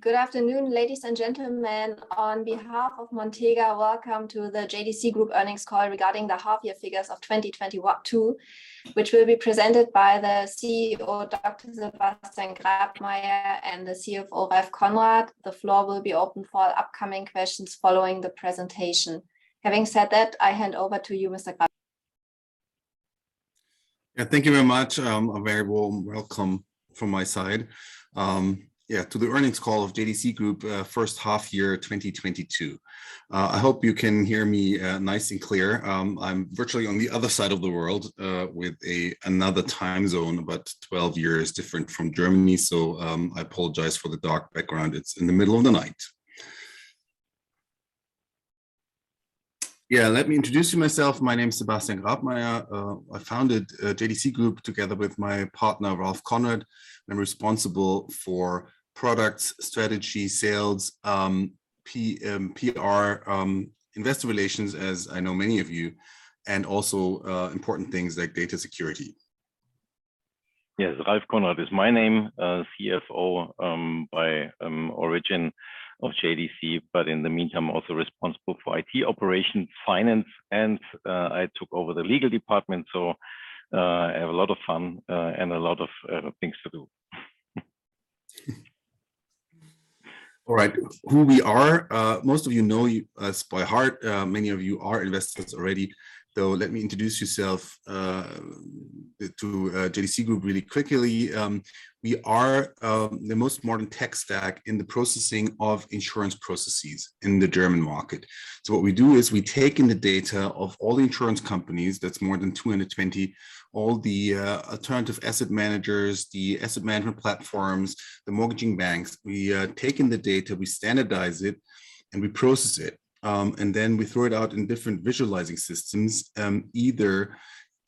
Good afternoon, ladies and gentlemen. On behalf of Montega, welcome to the JDC Group earnings call regarding the half-year figures of 2022, which will be presented by the CEO, Dr. Sebastian Grabmaier, and the CFO, Ralph Konrad. The floor will be open for upcoming questions following the presentation. Having said that, I hand over to you, Mr. Grabmaier. Yeah, thank you very much. A very warm welcome from my side, yeah, to the earnings call of JDC Group, first half year 2022. I hope you can hear me, nice and clear. I'm virtually on the other side of the world, with another time zone, about 12 hours different from Germany. I apologize for the dark background. It's in the middle of the night. Yeah, let me introduce you myself. My name is Sebastian Grabmaier. I founded JDC Group together with my partner, Ralph Konrad. I'm responsible for products, strategy, sales, PR, investor relations, as I know many of you, and also, important things like data security. Yes, Ralph Konrad is my name. CFO, by origin of JDC, but in the meantime, I'm also responsible for IT operations, finance, and I took over the legal department, so I have a lot of fun and a lot of things to do. All right. Who we are, most of you know us by heart. Many of you are investors already, so let me introduce yourself to JDC Group really quickly. We are the most modern tech stack in the processing of insurance processes in the German market. What we do is we take in the data of all the insurance companies. That's more than 220. All the alternative asset managers, the asset management platforms, the mortgage banks. We take in the data, we standardize it, and we process it. Then we throw it out in different visualizing systems, either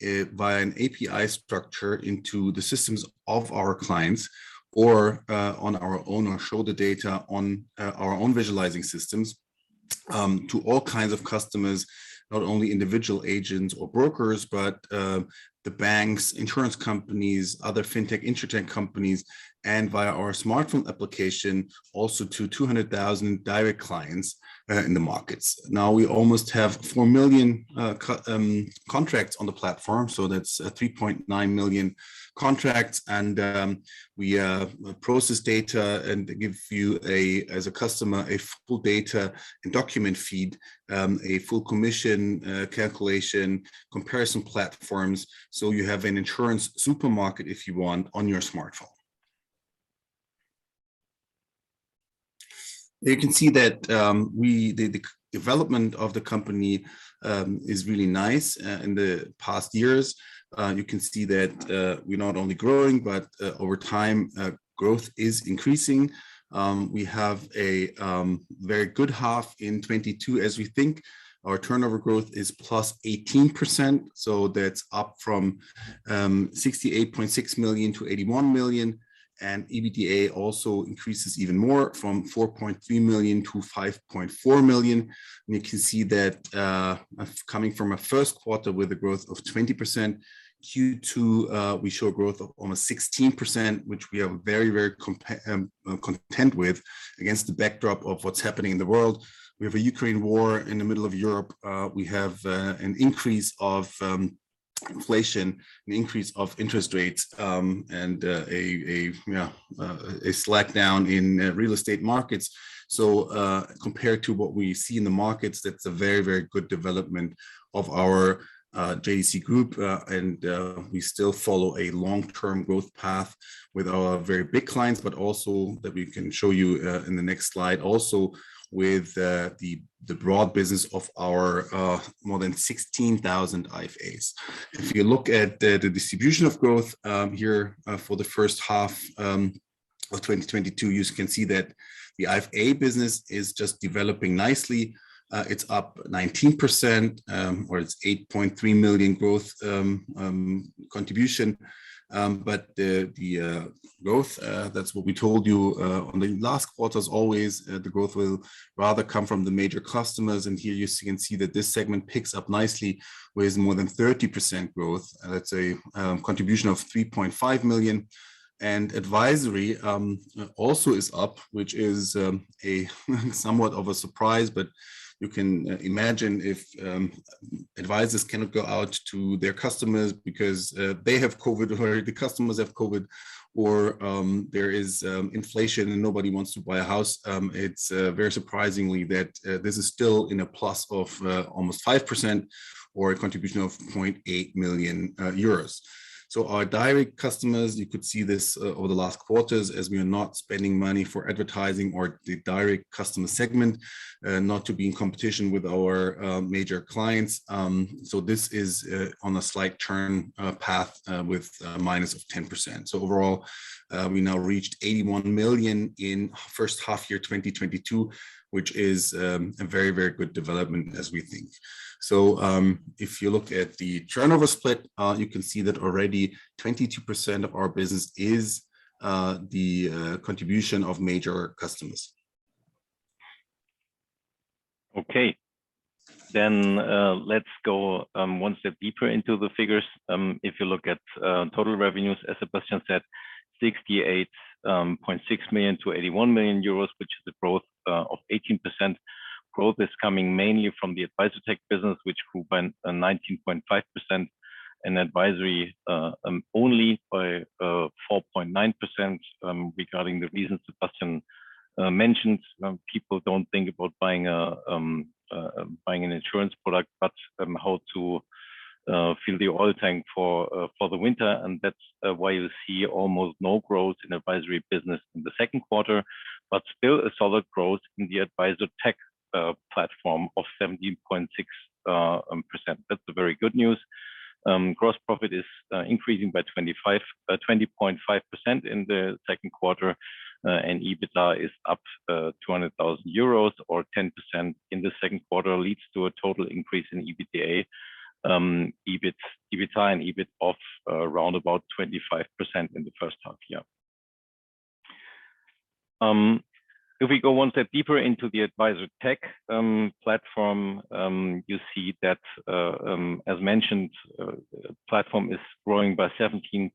via an API structure into the systems of our clients or on our own or show the data on our own visualizing systems to all kinds of customers. Not only individual agents or brokers, but the banks, insurance companies, other fintech, insurtech companies, and via our smartphone application, also to 200,000 direct clients in the markets. Now, we almost have 4 million contracts on the platform, so that's 3.9 million contracts. We process data and give you, as a customer, a full data and document feed, a full commission calculation, comparison platforms, so you have an insurance supermarket, if you want, on your smartphone. You can see that the development of the company is really nice in the past years. You can see that we're not only growing, but over time growth is increasing. We have a very good half in 2022 as we think. Our turnover growth is +18%, so that's up from 68.6 million to 81 million. EBITDA also increases even more from 4.3 million to 5.4 million. You can see that coming from a first quarter with a growth of 20%, Q2 we show growth of almost 16%, which we are very, very content with against the backdrop of what's happening in the world. We have a Ukraine war in the middle of Europe. We have an increase of inflation, an increase of interest rates, and, you know, a slowdown in real estate markets. Compared to what we see in the markets, that's a very, very good development of our JDC Group. We still follow a long-term growth path with our very big clients, but also that we can show you in the next slide also with the broad business of our more than 16,000 IFAs. If you look at the distribution of growth here for the first half of 2022, you can see that the IFA business is just developing nicely. It's up 19%, or it's 8.3 million growth contribution. But the growth, that's what we told you on the last quarters always, the growth will rather come from the major customers. Here you can see that this segment picks up nicely with more than 30% growth. That's a contribution of 3.5 million. Advisory also is up, which is a somewhat of a surprise. You can imagine if advisors cannot go out to their customers because they have COVID or the customers have COVID, or there is inflation and nobody wants to buy a house, it's very surprisingly that this is still in a plus of almost 5% or a contribution of 0.8 million euros. Our direct customers, you could see this over the last quarters as we are not spending money for advertising or the direct customer segment not to be in competition with our major clients. This is on a slight turn path with a minus of 10%. Overall, we now reached 81 million in first half year 2022, which is a very, very good development as we think. If you look at the turnover split, you can see that already 22% of our business is the contribution of major customers. Okay. Let's go one step deeper into the figures. If you look at total revenues, as Sebastian said, 68.6 million-81 million euros, which is a growth of 18%. Growth is coming mainly from the Advisortech business, which grew by 19.5%, and advisory only by 4.9%. Regarding the reasons Sebastian mentioned, people don't think about buying an insurance product, but how to fill the oil tank for the winter. That's why you see almost no growth in advisory business in the second quarter, but still a solid growth in the Advisortech platform of 17.6%. That's the very good news. Gross profit is increasing by 25%. 20.5% in the second quarter. EBITDA is up 200,000 euros or 10% in the second quarter, leads to a total increase in EBITDA and EBIT of around about 25% in the first half year. If we go one step deeper into the Advisortech platform, you see that, as mentioned, platform is growing by 17.6% in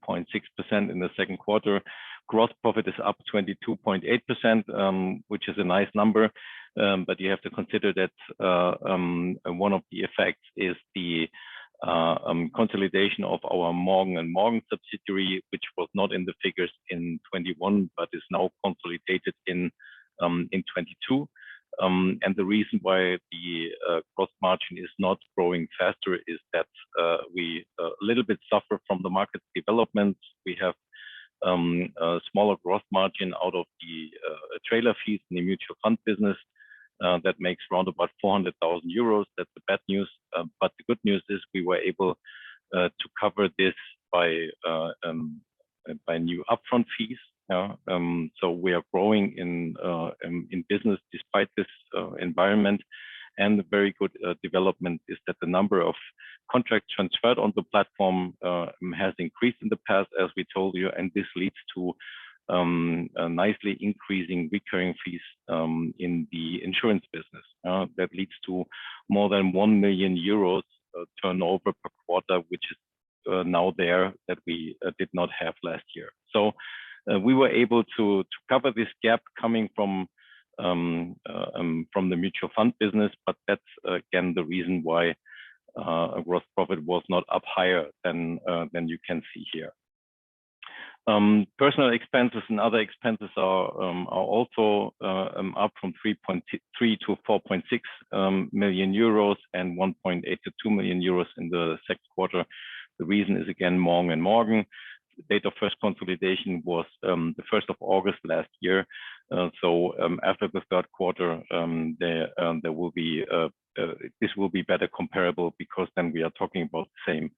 the second quarter. Gross profit is up 22.8%, which is a nice number, but you have to consider that one of the effects is the consolidation of our Morgen & Morgen subsidiary, which was not in the figures in 2021, but is now consolidated in 2022. The reason why the gross margin is not growing faster is that we a little bit suffer from the market development. We have a smaller gross margin out of the trailer fees in the mutual fund business that makes around about 400,000 euros. That's the bad news. The good news is we were able to cover this by new upfront fees. We are growing in business despite this environment. The very good development is that the number of contracts transferred on the platform has increased in the past, as we told you, and this leads to a nicely increasing recurring fees in the insurance business. That leads to more than 1 million euros turnover per quarter, which is now there that we did not have last year. We were able to cover this gap coming from the mutual fund business, but that's again the reason why our gross profit was not up higher than you can see here. Personnel expenses and other expenses are also up from 3.3 million-4.6 million euros and 1.8 million-2 million euros in the second quarter. The reason is again Morgen & Morgen. The date of first consolidation was the first of August last year. After the third quarter, there will be better comparable because then we are talking about the same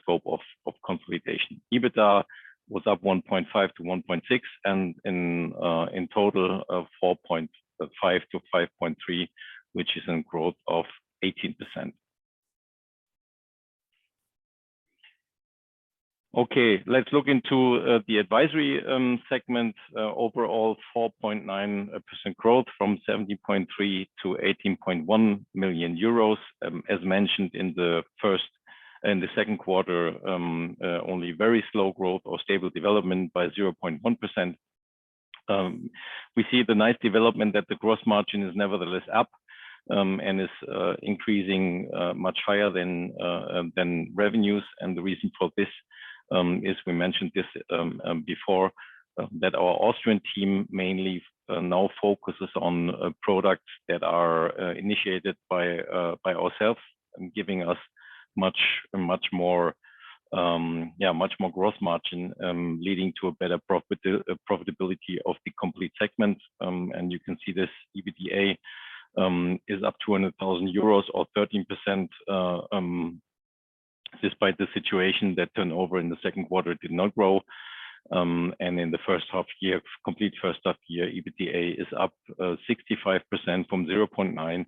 scope of consolidation. EBITDA was up 1.5-1.6, and in total, 4.5-5.3, which is a growth of 18%. Okay, let's look into the advisory segment. Overall, 4.9% growth from 17.3 million-18.1 million euros. As mentioned in the second quarter, only very slow growth or stable development by 0.1%. We see the nice development that the gross margin is nevertheless up and is increasing much higher than revenues. The reason for this is we mentioned this before, that our Austrian team mainly now focuses on products that are initiated by ourselves, giving us much more gross margin, leading to a better profitability of the complete segment. You can see this EBITDA is up 200,000 euros or 13%, despite the situation that turnover in the second quarter did not grow. In the first half year, EBITDA is up 65% from EUR 0.9 million-EUR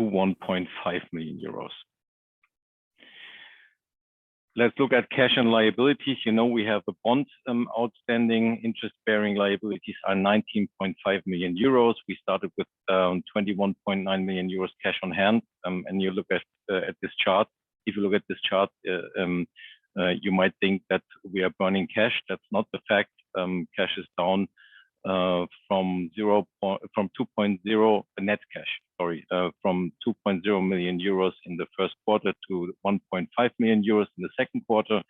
1.5 million. Let's look at cash and liabilities. You know, we have a bond outstanding. Interest-bearing liabilities are 19.5 million euros. We started with 21.9 million euros cash on hand. You look at this chart. If you look at this chart, you might think that we are burning cash. That's not the fact. Cash is down. Net cash, sorry, from 2.0 million euros in the first quarter to 1.5 million euros in the second quarter.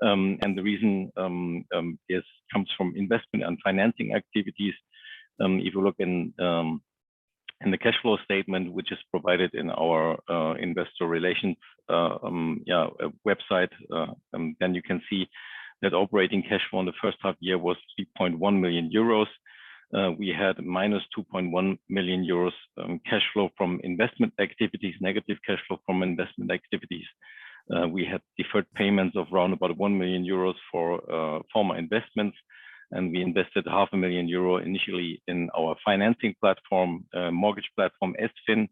The reason comes from investment and financing activities. If you look in the cash flow statement, which is provided in our investor relations website, then you can see that operating cash flow in the first half year was 3.1 million euros. We had -2.1 million euros cash flow from investment activities. We had deferred payments of around about 1 million euros for former investments, and we invested 500,000 euro initially in our financing platform, mortgage platform, S-Fin,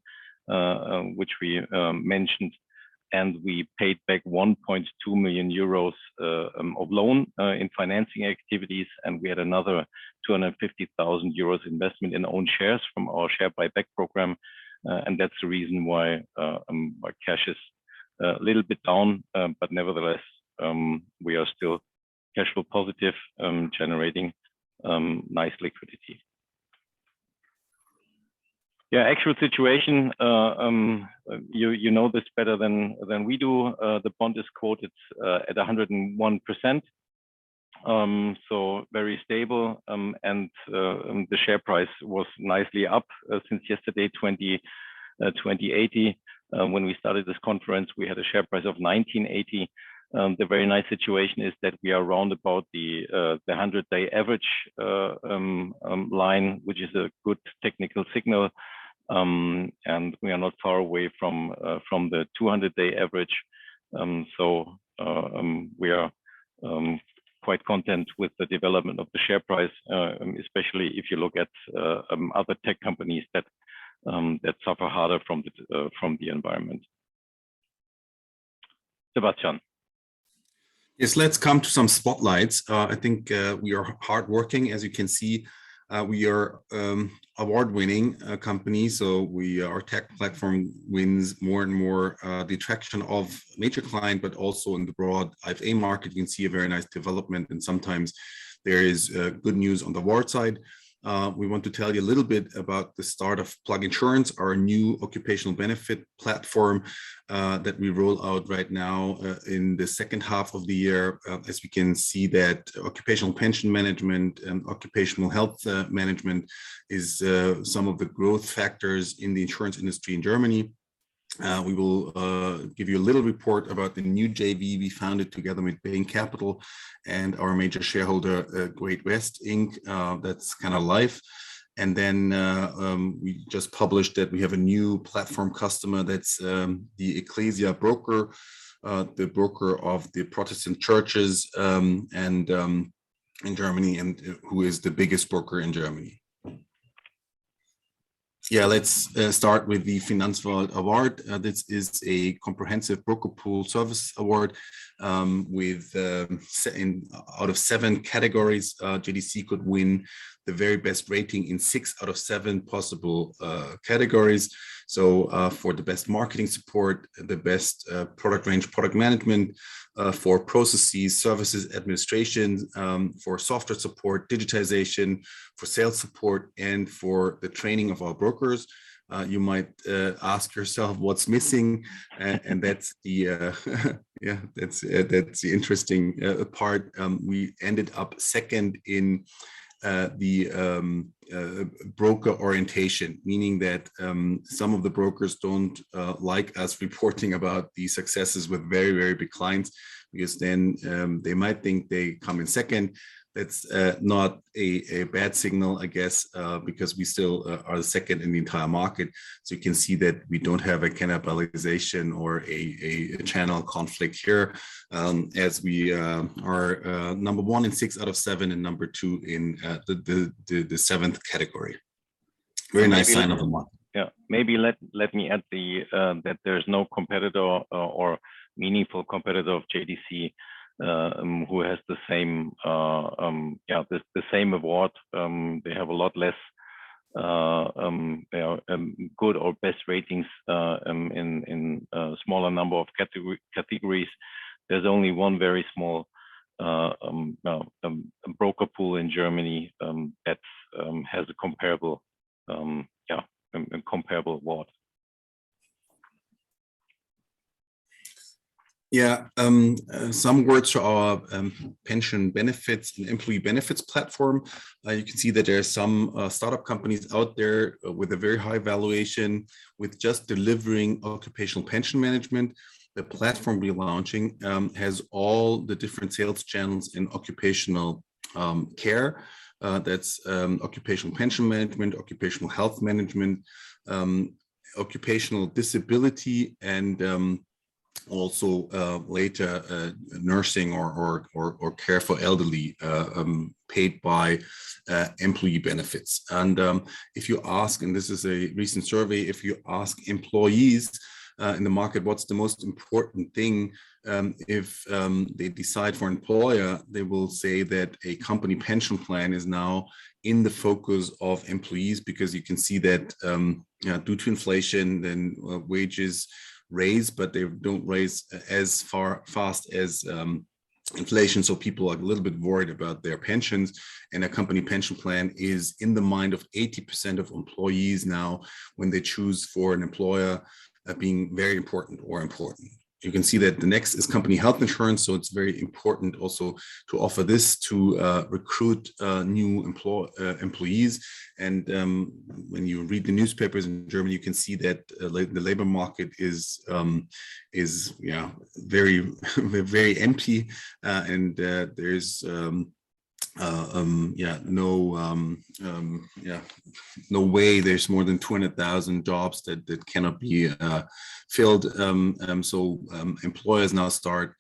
which we mentioned. We paid back 1.2 million euros of loan in financing activities, and we had another 250,000 euros investment in own shares from our share buyback program. That's the reason why our cash is a little bit down, but nevertheless, we are still cash flow positive, generating nice liquidity. Yeah, actual situation, you know this better than we do. The bond is quoted at 101%, so very stable. The share price was nicely up since yesterday, 20.80. When we started this conference, we had a share price of 19.80. The very nice situation is that we are around about the 100-day average line, which is a good technical signal. We are not far away from the 200-day average. We are quite content with the development of the share price, especially if you look at other tech companies that suffer harder from the environment. Sebastian. Yes, let's come to some spotlights. I think we are hardworking. As you can see, we are award-winning company, our tech platform wins more and more the attraction of major client, but also in the broad IFA market, you can see a very nice development, and sometimes there is good news on the award side. We want to tell you a little bit about the start of Plug-InSurance, our new occupational benefit platform, that we roll out right now in the second half of the year. As we can see that occupational pension management and occupational health management is some of the growth factors in the insurance industry in Germany. We will give you a little report about the new JV we founded together with Bain Capital and our major shareholder, Great-West Inc. That's Canada Life. We just published that we have a new platform customer that's the Ecclesia broker, the broker of the Protestant churches in Germany and who is the biggest broker in Germany. Let's start with the Finanzwelt award. This is a comprehensive broker pool service award in seven categories. JDC could win the very best rating in six out of seven possible categories. For the best marketing support, the best product range, product management, for processes, services, administration, for software support, digitization, for sales support, and for the training of our brokers. You might ask yourself what's missing, and that's the interesting part. We ended up second in the broker orientation, meaning that some of the brokers don't like us reporting about the successes with very big clients, because then they might think they come in second. That's not a bad signal, I guess, because we still are the second in the entire market. You can see that we don't have a cannibalization or a channel conflict here, as we are number one in six out of seven and number two in the seventh category. Very nice sign of the month. Yeah. Maybe let me add that there's no competitor or meaningful competitor of JDC who has the same award. They have a lot less good or best ratings in smaller number of categories. There's only one very small broker pool in Germany that has a comparable award. Yeah. Some words for our pension benefits and employee benefits platform. You can see that there are some startup companies out there with a very high valuation with just delivering occupational pension management. The platform we're launching has all the different sales channels in occupational care. That's occupational pension management, occupational health management, occupational disability, and also later nursing or care for elderly paid by employee benefits. If you ask, and this is a recent survey, if you ask employees in the market, what's the most important thing, if they decide for employer, they will say that a company pension plan is now in the focus of employees because you can see that, you know, due to inflation, then wages raise, but they don't raise as fast as inflation. People are a little bit worried about their pensions, and a company pension plan is in the mind of 80% of employees now when they choose for an employer, being very important or important. You can see that the next is company health insurance, so it's very important also to offer this to recruit new employees. When you read the newspapers in Germany, you can see that the labor market is, you know, very, very empty. There is no way there's more than 20,000 jobs that cannot be filled. Employers now start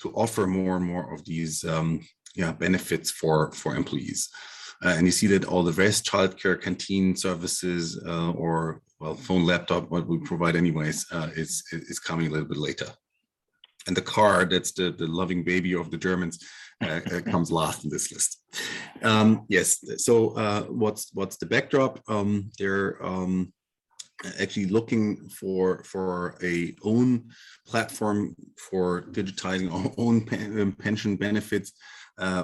to offer more and more of these benefits for employees. You see that all the rest, childcare, canteen services, or, well, phone, laptop, what we provide anyways, is coming a little bit later. The car that's the loving baby of the Germans comes last in this list. Yes. What's the backdrop? They're actually looking for their own platform for digitizing their own pension benefits.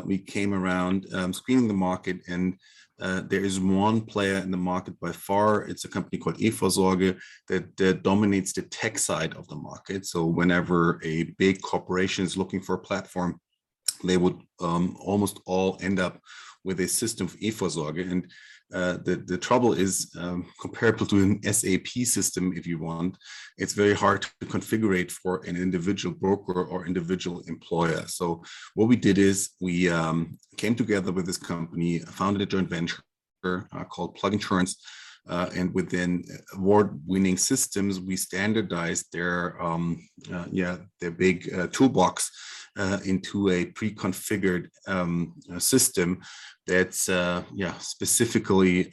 We came around screening the market and there is one player in the market by far, it's a company called eVorsorge that dominates the tech side of the market. Whenever a big corporation's looking for a platform, they would almost all end up with a system of eVorsorge. The trouble is comparable to an SAP system, if you want, it's very hard to configure for an individual broker or individual employer. What we did is we came together with this company, founded a joint venture called Plug-InSurance. Within award-winning systems, we standardized their big toolbox into a pre-configured system that's specifically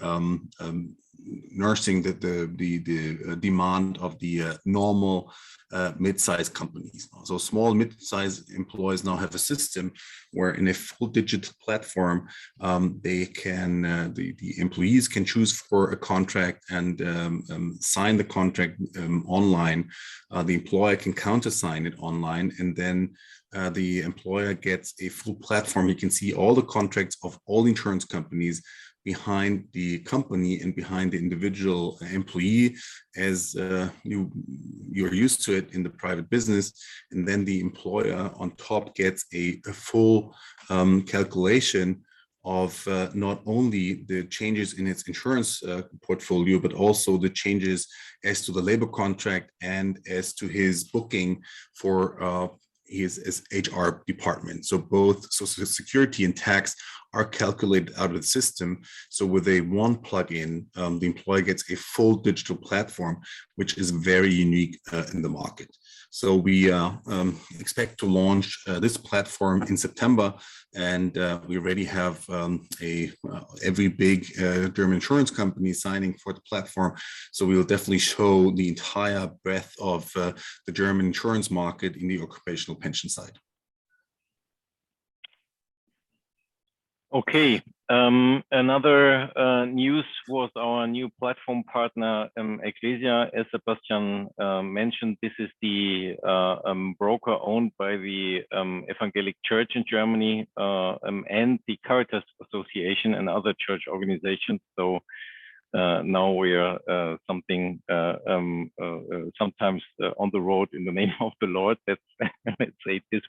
meeting the demand of the normal mid-size companies. Small and mid-size employers now have a system where, in a full digital platform, the employees can choose for a contract and sign the contract online. The employer can counter-sign it online, and then the employer gets a full platform. He can see all the contracts of all insurance companies behind the company and behind the individual employee as you're used to it in the private business. The employer on top gets a full calculation of not only the changes in its insurance portfolio, but also the changes as to the labor contract and as to his booking for his HR department. Both Social Security and tax are calculated out of the system. With one Plug-InSurance, the employer gets a full digital platform, which is very unique in the market. We expect to launch this platform in September and we already have every big German insurance company signing for the platform. We will definitely show the entire breadth of the German insurance market in the occupational pension side. Okay. Another news was our new platform partner, Ecclesia, as Sebastian mentioned. This is the broker owned by the Evangelical Church in Germany and the Caritas Association and other church organizations. Now we are something sometimes on the road in the name of the Lord. That's, let's say it this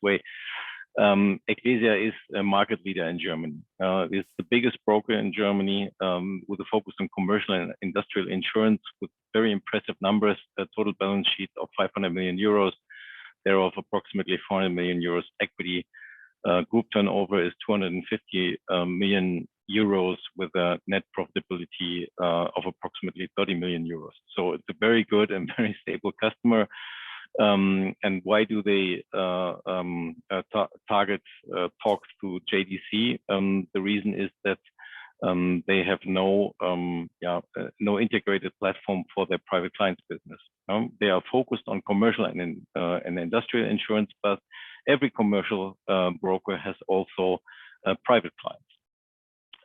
way. Ecclesia is a market leader in Germany. It's the biggest broker in Germany, with a focus on commercial and industrial insurance with very impressive numbers. A total balance sheet of 500 million euros. Thereof approximately 400 million euros equity. Group turnover is 250 million euros with a net profitability of approximately 30 million euros. It's a very good and very stable customer. Why do they target talks to JDC? The reason is that they have no integrated platform for their private clients business. They are focused on commercial and industrial insurance, but every commercial broker has also private clients.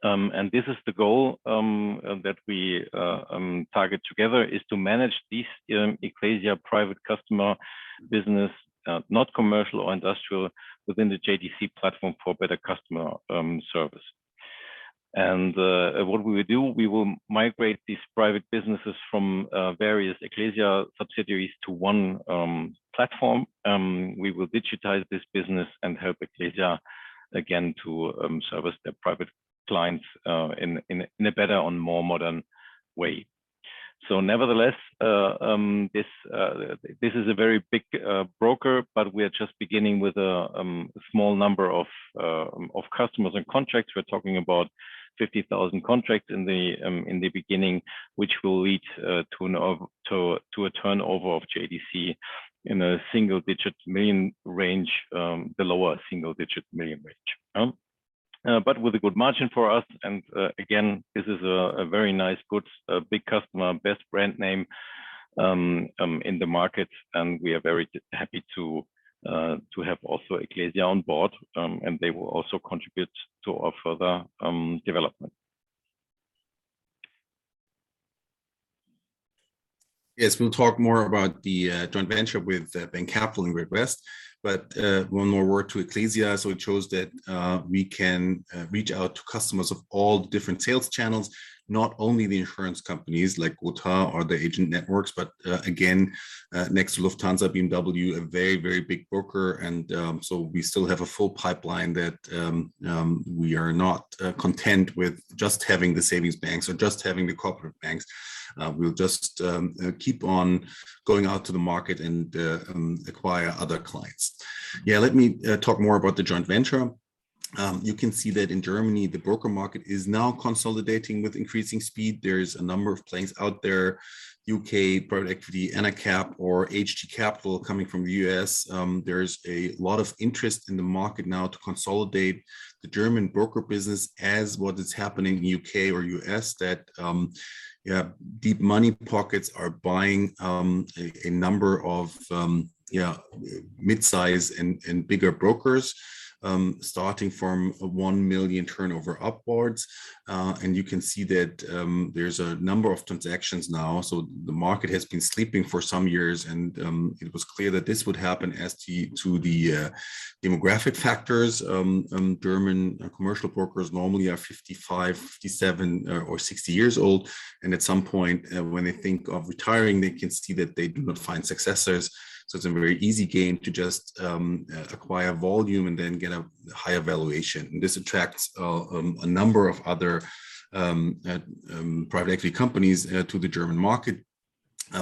This is the goal that we target together, is to manage these Ecclesia private customer business, not commercial or industrial, within the JDC platform for better customer service. What we will do, we will migrate these private businesses from various Ecclesia subsidiaries to one platform. We will digitize this business and help Ecclesia again to service their private clients in a better and more modern way. Nevertheless, this is a very big broker, but we are just beginning with a small number of customers and contracts. We're talking about 50,000 contracts in the beginning, which will lead to a turnover of JDC in a single-digit million range. The lower single-digit million range. But with a good margin for us, and again, this is a very nice, good big customer, best brand name in the market. We are very happy to have also Ecclesia on board. They will also contribute to our further development. Yes, we'll talk more about the joint venture with Bain Capital and Great-West. One more word to Ecclesia. It shows that we can reach out to customers of all different sales channels, not only the insurance companies like OTA or the agent networks, but again next to Lufthansa, BMW, a very, very big broker. We still have a full pipeline that we are not content with just having the savings banks or just having the corporate banks. We'll just keep on going out to the market and acquire other clients. Yeah, let me talk more about the joint venture. You can see that in Germany, the broker market is now consolidating with increasing speed. There's a number of players out there, U.K. private equity, AnaCap or HgCapital coming from the U.S. There's a lot of interest in the market now to consolidate the German broker business as what is happening in U.K. or U.S. that deep pockets are buying a number of midsize and bigger brokers starting from a 1 million turnover upwards. You can see that there's a number of transactions now. The market has been sleeping for some years, and it was clear that this would happen as to the demographic factors. German commercial brokers normally are 55, 57 or 60 years old, and at some point when they think of retiring, they can see that they do not find successors. It's a very easy game to just acquire volume and then get a higher valuation. This attracts a number of other private equity companies to the German market.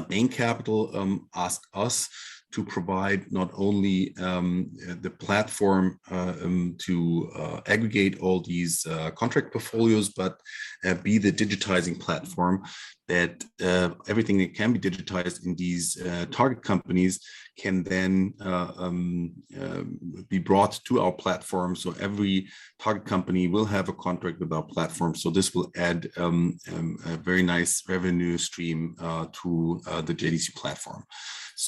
Bain Capital asked us to provide not only the platform to aggregate all these contract portfolios, but be the digitizing platform that everything that can be digitized in these target companies can then be brought to our platform. Every target company will have a contract with our platform. This will add a very nice revenue stream to the JDC platform.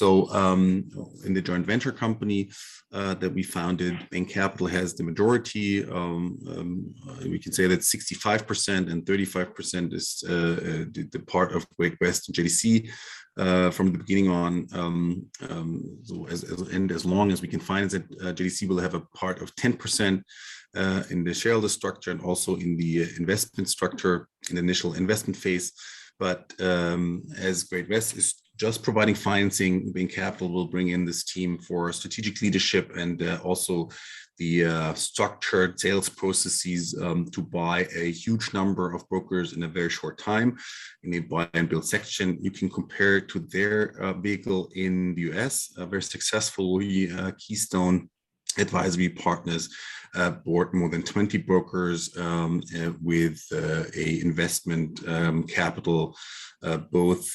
In the joint venture company that we founded, Bain Capital has the majority. We can say that 65% and 35% is the part of Great-West JDC. From the beginning on, as long as we can finance it, JDC will have a part of 10% in the shareholder structure and also in the investment structure in the initial investment phase. But as Great-West is just providing financing, Bain Capital will bring in this team for strategic leadership and also the structured sales processes to buy a huge number of brokers in a very short time in a buy and build section. You can compare it to their vehicle in the U.S., a very successful Keystone Advisory Partners bought more than 20 brokers with a investment capital both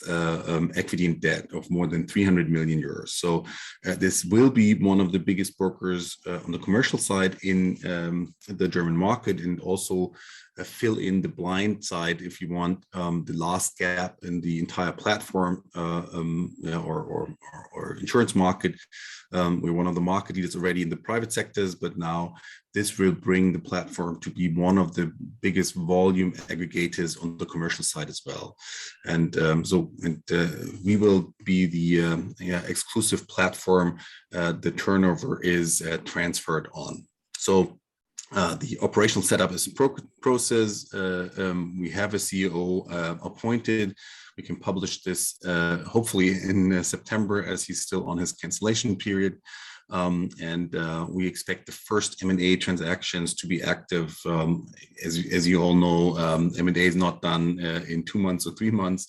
equity and debt of more than 300 million euros. This will be one of the biggest brokers on the commercial side in the German market and also fill in the blind side if you want the last gap in the entire platform or insurance market. We're one of the market leaders already in the private sectors, but now this will bring the platform to be one of the biggest volume aggregators on the commercial side as well. We will be the exclusive platform. The turnover is transferred on. The operational setup is in process. We have a CEO appointed. We can publish this hopefully in September as he's still on his cancellation period. We expect the first M&A transactions to be active. As you all know, M&A is not done in two months or three months.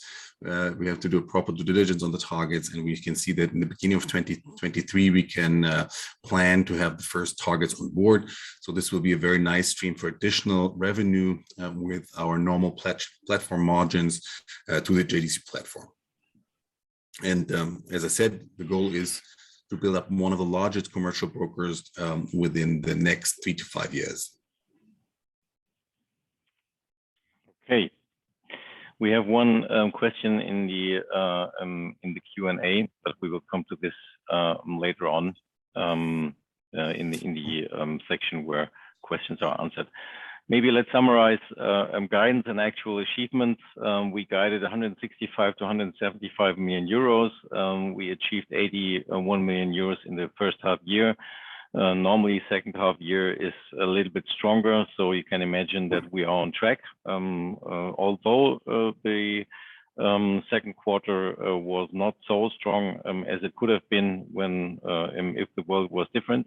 We have to do a proper due diligence on the targets, and we can see that in the beginning of 2023, we can plan to have the first targets on board. This will be a very nice stream for additional revenue with our normal platform margins to the JDC platform. As I said, the goal is to build up one of the largest commercial brokers within the next three to five years. Okay. We have one question in the Q&A, but we will come to this later on in the section where questions are answered. Maybe let's summarize guidance and actual achievements. We guided 165 million-175 million euros. We achieved 81 million euros in the first half year. Normally, second half year is a little bit stronger, so you can imagine that we are on track. Although the second quarter was not so strong as it could have been if the world was different,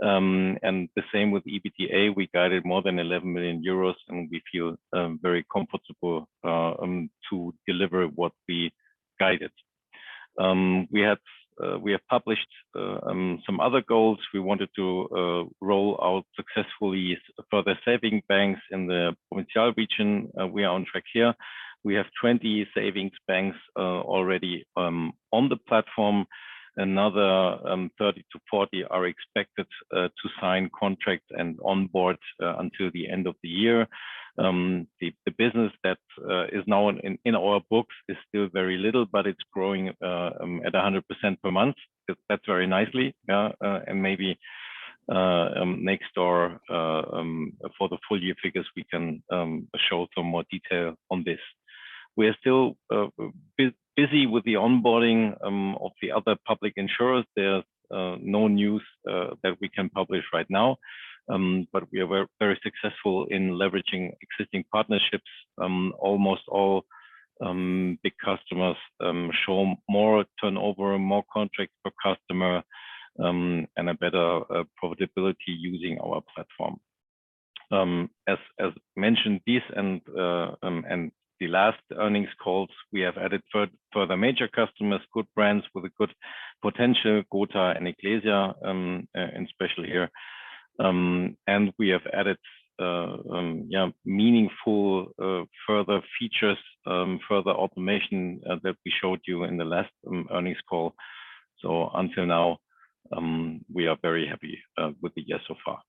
and the same with EBITDA. We guided more than 11 million euros, and we feel very comfortable to deliver what we guided. We have published some other goals. We wanted to roll out successfully further savings banks in the Provinzial region. We are on track here. We have 20 savings banks already on the platform. Another 30-40 are expected to sign contracts and onboard until the end of the year. The business that is now in our books is still very little, but it's growing at 100% per month. That's very nicely. Maybe next door for the full year figures, we can show some more detail on this. We are still busy with the onboarding of the other public insurers. There's no news that we can publish right now. We are very successful in leveraging existing partnerships. Almost all big customers show more turnover, more contracts per customer, and a better profitability using our platform. As mentioned in this and the last earnings calls, we have added further major customers, good brands with a good potential, Gothaer and Ecclesia, and especially here. We have added meaningful further features, further automation, that we showed you in the last earnings call. Until now, we are very happy with the year so far.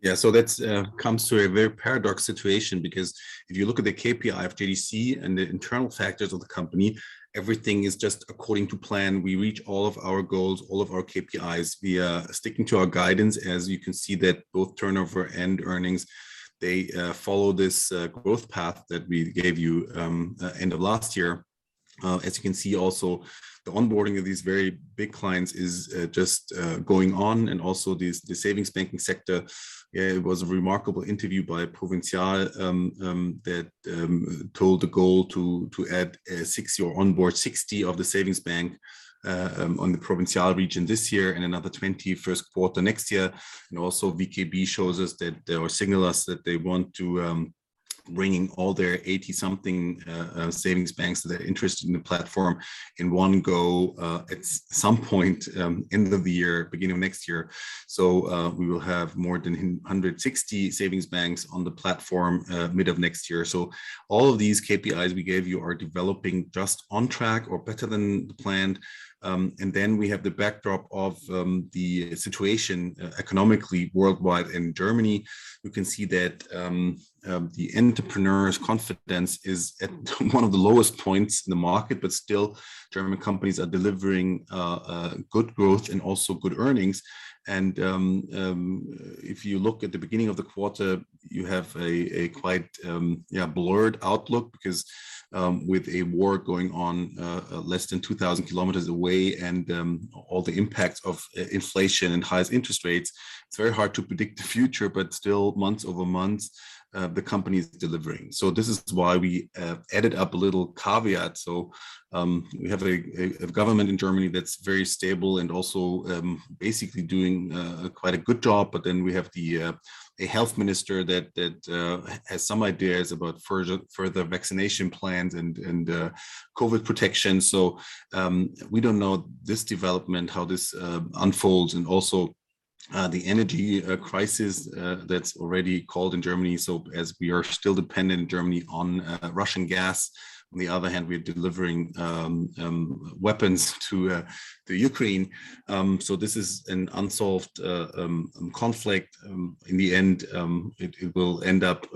Yeah. That comes to a very paradox situation because if you look at the KPI of JDC and the internal factors of the company, everything is just according to plan. We reach all of our goals, all of our KPIs via sticking to our guidance. As you can see that both turnover and earnings, they follow this growth path that we gave you end of last year. As you can see also, the onboarding of these very big clients is just going on, and also the savings banking sector, it was a remark in an interview by Provinzial that told the goal to add or onboard 60 of the savings bank on the Provinzial region this year and another 20 first quarter next year. VKB shows us that they were signaling us that they want to bring all their 80-something savings banks that are interested in the platform in one go at some point end of the year, beginning of next year. We will have more than 160 savings banks on the platform mid of next year. All of these KPIs we gave you are developing just on track or better than planned. We have the backdrop of the situation economically worldwide. In Germany, we can see that the entrepreneur's confidence is at one of the lowest points in the market, but still German companies are delivering good growth and also good earnings. If you look at the beginning of the quarter, you have a quite blurred outlook because with a war going on less than 2,000 km away and all the impacts of inflation and highest interest rates, it's very hard to predict the future, but still month-over-month the company's delivering. This is why we added a little caveat. We have a government in Germany that's very stable and also basically doing quite a good job. Then we have a health minister that has some ideas about further vaccination plans and COVID protection. We don't know this development, how this unfolds, and also the energy crisis that's already kicking in Germany. As we are still dependent in Germany on Russian gas, on the other hand, we are delivering weapons to Ukraine. This is an unsolved conflict. In the end, it will end up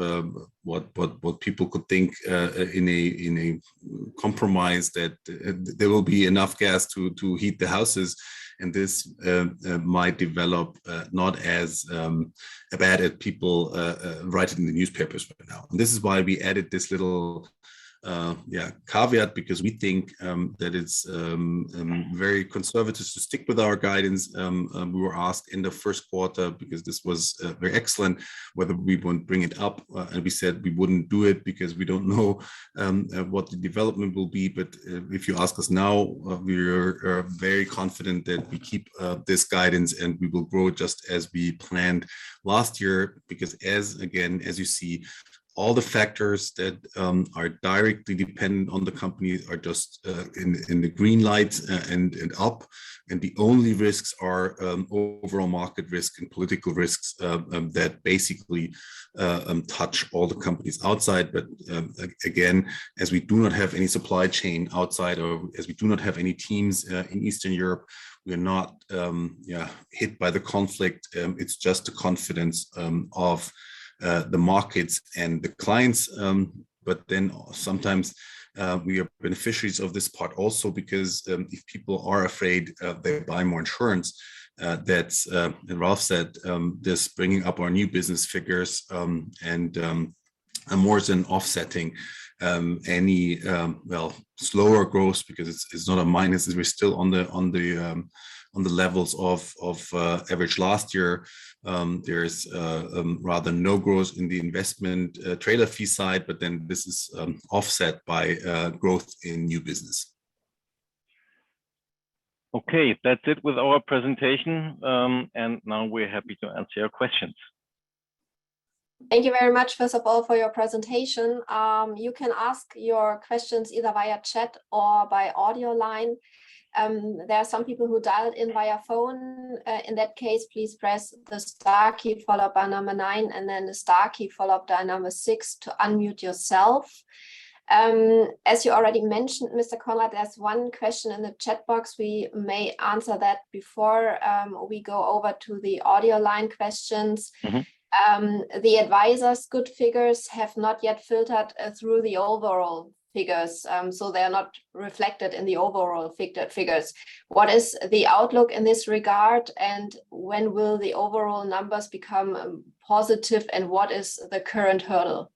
what people could think in a compromise that there will be enough gas to heat the houses and this might develop not as bad as people write it in the newspapers for now. This is why we added this little caveat because we think that it's very conservative to stick with our guidance. We were asked in the first quarter, because this was very excellent, whether we would bring it up. We said we wouldn't do it because we don't know what the development will be. If you ask us now, we are very confident that we keep this guidance and we will grow just as we planned last year. Again, as you see, all the factors that are directly dependent on the companies are just in the green lights and up, and the only risks are overall market risk and political risks that basically touch all the companies outside. Again, as we do not have any supply chain outside or as we do not have any teams in Eastern Europe, we are not hit by the conflict. It's just the confidence of the markets and the clients. Sometimes we are beneficiaries of this part also because if people are afraid they buy more insurance that and Ralph said this bringing up our new business figures and more than offsetting any well slower growth because it's not a minus we're still on the levels of average last year. There's rather no growth in the investment trailer fee side but then this is offset by growth in new business. Okay. That's it with our presentation. Now we're happy to answer your questions. Thank you very much, first of all, for your presentation. You can ask your questions either via chat or by audio line. There are some people who dialed in via phone. In that case, please press the star key followed by number nine, and then the star key followed by number six to unmute yourself. As you already mentioned, Mr. Konrad, there's one question in the chat box. We may answer that before we go over to the audio line questions. Mm-hmm. The advisors' good figures have not yet filtered through the overall figures, so they're not reflected in the overall figures. What is the outlook in this regard, and when will the overall numbers become positive, and what is the current hurdle?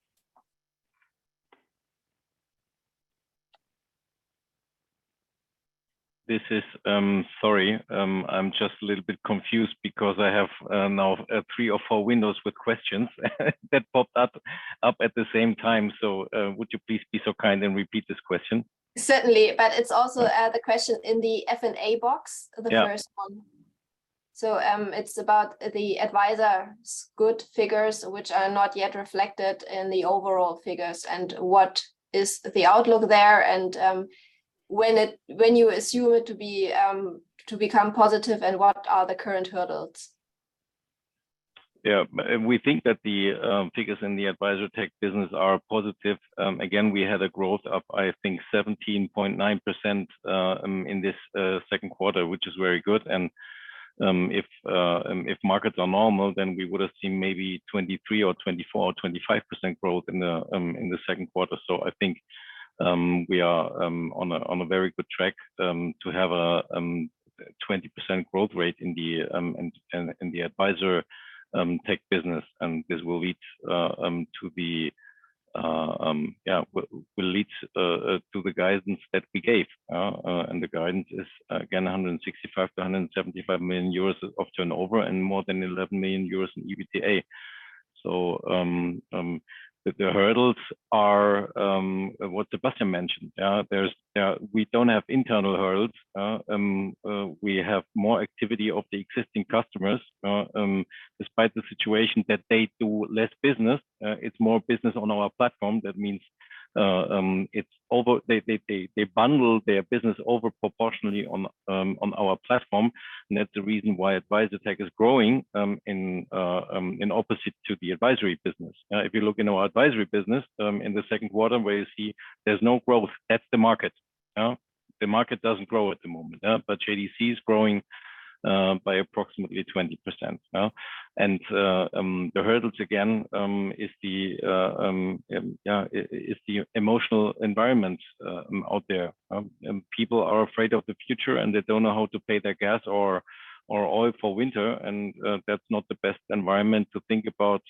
Sorry, I'm just a little bit confused because I have now three or four windows with questions that popped up at the same time. Would you please be so kind and repeat this question? Certainly. It's also the question in the Q&A box. Yeah. The first one. It's about the Advisortech's good figures which are not yet reflected in the overall figures, and what is the outlook there, and when you assume it to be to become positive, and what are the current hurdles? Yeah. We think that the figures in the Advisortech business are positive. Again, we had a growth of, I think, 17.9% in this second quarter, which is very good. If markets are normal, then we would've seen maybe 23% or 24% or 25% growth in the second quarter. I think we are on a very good track to have a 20% growth rate in the Advisortech business. This will lead to the guidance that we gave, and the guidance is, again, 165 million-175 million euros of turnover and more than 11 million euros in EBITDA. The hurdles are what Sebastian mentioned. There, we don't have internal hurdles. We have more activity of the existing customers despite the situation that they do less business. It's more business on our platform. That means they bundle their business over proportionally on our platform, and that's the reason why Advisortech is growing as opposed to the advisory business. If you look in our advisory business, in the second quarter where you see there's no growth, that's the market. The market doesn't grow at the moment, but JDC is growing by approximately 20%. The hurdles again is the emotional environment out there. People are afraid of the future, and they don't know how to pay their gas or oil for winter, and that's not the best environment to think about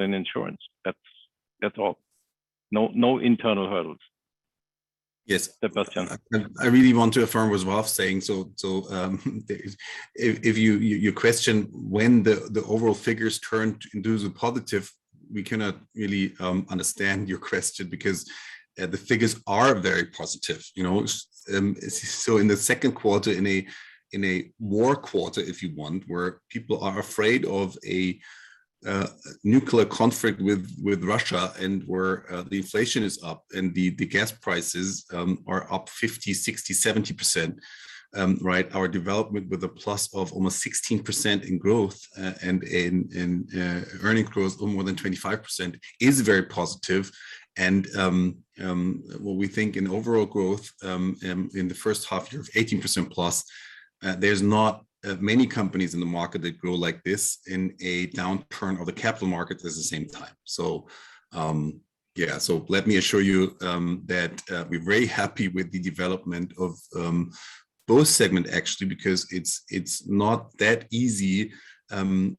an insurance. That's all. No internal hurdles. Yes. Sebastian. I really want to affirm what Ralph's saying. If you question when the overall figures turn into the positive, we cannot really understand your question because the figures are very positive. In the second quarter, in a war quarter, if you want, where people are afraid of a nuclear conflict with Russia and where the inflation is up and the gas prices are up 50%-70%, right? Our development with a plus of almost 16% in growth and in earnings growth of more than 25% is very positive. What we think in overall growth in the first half year of 18%+, there's not many companies in the market that grow like this in a downturn of the capital markets at the same time. Let me assure you that we're very happy with the development of both segment actually because it's not that easy, as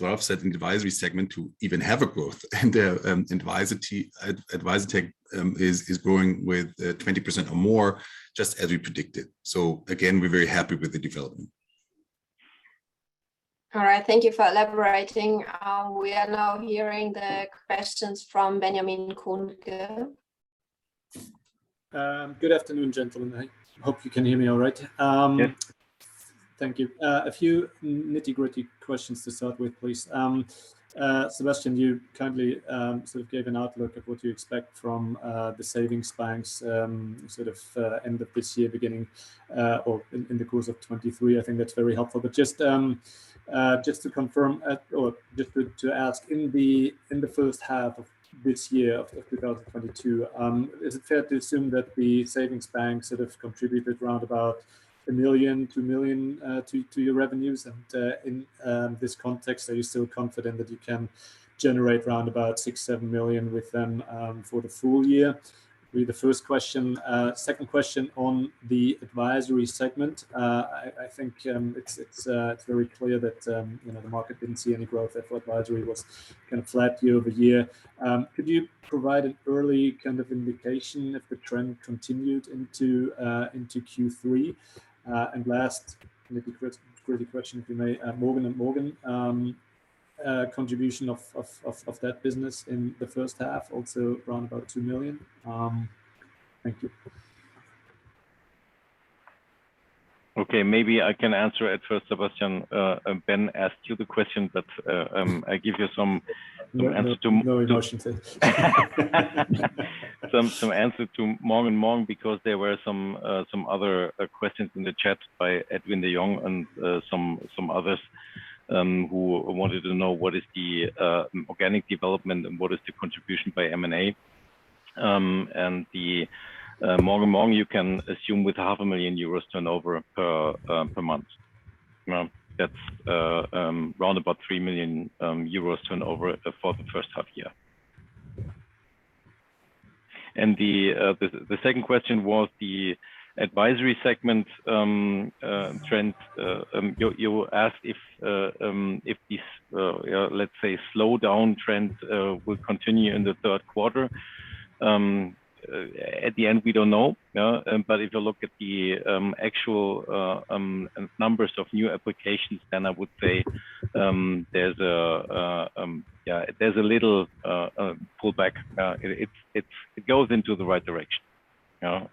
Ralph said, in the advisory segment to even have a growth. Advisortech is growing with 20% or more, just as we predicted. Again, we're very happy with the development. All right. Thank you for elaborating. We are now hearing the questions from Benjamin Kohnke. Good afternoon, gentlemen. I hope you can hear me all right. Yes. Thank you. A few nitty-gritty questions to start with, please. Sebastian, you kindly sort of gave an outlook of what you expect from the savings banks sort of end of this year, beginning or in the course of 2023. I think that's very helpful. Just to confirm or just to ask, in the first half of this year, of 2022, is it fair to assume that the savings banks sort of contributed around about 1 million-2 million to your revenues? In this context, are you still confident that you can generate around about 6 million-7 million with them for the full year? Would be the first question. Second question on the advisory segment. I think it's very clear that, you know, the market didn't see any growth. Therefore, advisory was kind of flat year-over-year. Could you provide an early kind of indication if the trend continued into Q3? Last nitty-gritty question, if we may. Morgen & Morgen contribution of that business in the first half, also around about 2 million? Thank you. Okay. Maybe I can answer at first, Sebastian. Ben asked you the question, but I give you some answer to- No, no emotions here. Some answer to Morgen & Morgen because there were some other questions in the chat by Edwin De Jong and some others who wanted to know what is the organic development and what is the contribution by M&A. The Morgen & Morgen, you can assume with 500,000 euros turnover per month. That's around about 3 million euros turnover for the first half year. The second question was the advisory segment trend. You asked if this let's say slowdown trend will continue in the third quarter. At the end, we don't know. If you look at the actual numbers of new applications, then I would say, there's a yeah, there's a little pullback. It goes into the right direction. Yeah?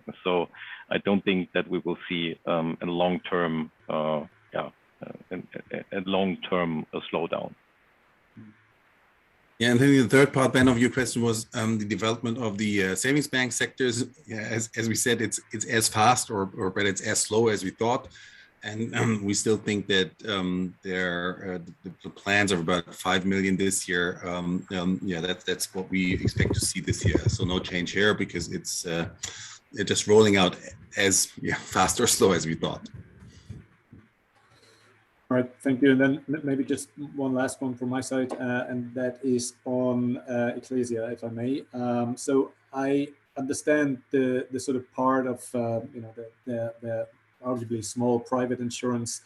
I don't think that we will see a long-term yeah, a long-term slowdown. Yeah, then the third part, Ben, of your question was the development of the savings bank sectors. As we said, it's as fast or slow as we thought. We still think that their plans of about 5 million this year, yeah, that's what we expect to see this year. No change here because they're just rolling out as fast or slow as we thought. All right. Thank you. Maybe just one last one from my side, and that is on Ecclesia, if I may. So I understand the sort of part of you know the arguably small private insurance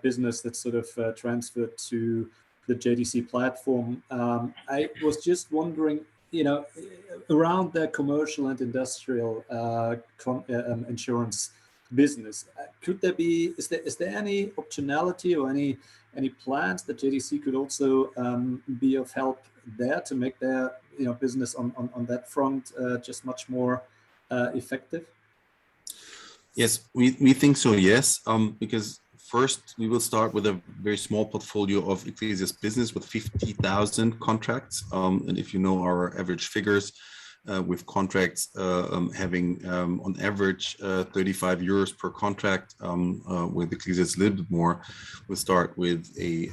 business that sort of transferred to the JDC platform. I was just wondering, you know, around their commercial and industrial insurance business, is there any optionality or any plans that JDC could also be of help there to make their you know business on that front just much more effective? Yes. We think so, yes. Because first, we will start with a very small portfolio of Ecclesia's business with 50,000 contracts. And if you know our average figures, with contracts, having, on average, 35 euros per contract, with Ecclesia's a little bit more. We'll start with a